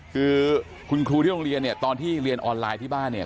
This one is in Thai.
คือคุณครูที่โรงเรียนเนี่ยตอนที่เรียนออนไลน์ที่บ้านเนี่ย